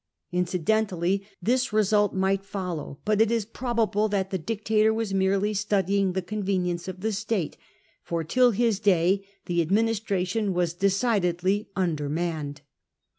Incidentally this result might follow, but it is probable that the dictator was merely studying the convenience of the state, for till his day the administra tion was decidedly undermanned.